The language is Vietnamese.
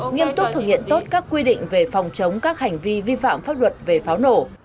nghiêm túc thực hiện tốt các quy định về phòng chống các hành vi vi phạm pháp luật về pháo nổ